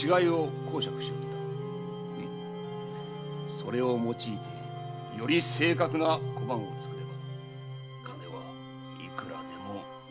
それを用いてより正確な小判を作れば金はいくらでも生み出せる。